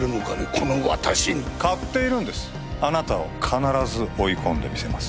この私に買っているんですあなたを必ず追い込んでみせます